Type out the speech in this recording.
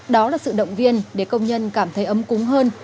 đó là sự động viên để công nhân cảm thấy ấm cúng hơn